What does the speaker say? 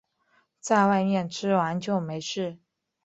在外面吃完就没事